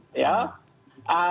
kemarin itu ya